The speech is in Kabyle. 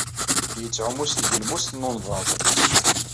Yettɛumu s tgelmust n unḍab.